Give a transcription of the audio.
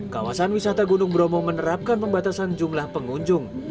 kawasan wisata gunung bromo menerapkan pembatasan jumlah pengunjung